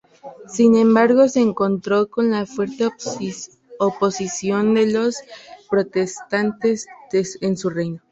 Sin embargo se encontró con la fuerte oposición de los protestantes en su reino.